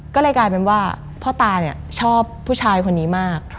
ก็เลยกลายเป็นว่าพ่อตาเนี่ยชอบผู้ชายคนนี้มาก